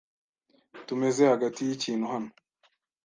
Tumeze hagati yikintu hano.